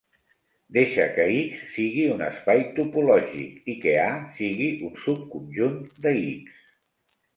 Deixa que "X" sigui un espai topològic, i que "A" sigui un subconjunt de "X".